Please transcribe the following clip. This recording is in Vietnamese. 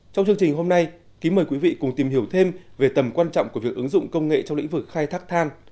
trong chương trình hôm nay kính mời quý vị cùng tìm hiểu thêm về tầm quan trọng của việc ứng dụng công nghệ trong lĩnh vực khai thác than